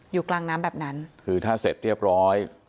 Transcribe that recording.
อยู่กลางน้ำแบบนั้นคือถ้าเสร็จเรียบร้อย